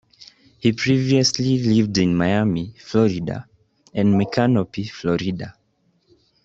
He previously lived in Miami, Florida and Micanopy, Florida.